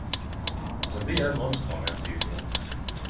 Då blir også monstra meir synlege.